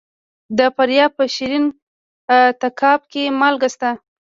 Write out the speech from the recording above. د فاریاب په شیرین تګاب کې مالګه شته.